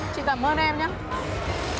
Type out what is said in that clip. chị cảm ơn em nhé